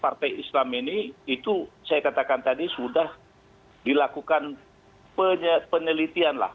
partai politik islam ini itu saya katakan tadi sudah dilakukan penelitianlah